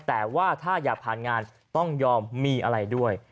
แต่ว่าถ้าอยากผ่านงานต้องยอมมีอะไรด้วย